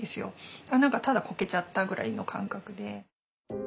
何かただこけちゃったぐらいの感覚で。